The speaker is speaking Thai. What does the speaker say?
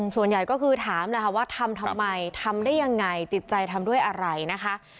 ส่วนใหญ่ก็คือถามแหละค่ะว่าทำทำไมทำได้ยังไงจิตใจทำด้วยอะไรนะคะ